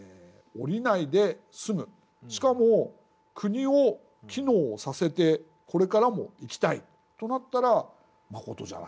しかも国を機能させてこれからもいきたいとなったら信じゃないかな。